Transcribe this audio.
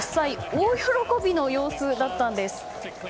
大喜びの様子だったんです。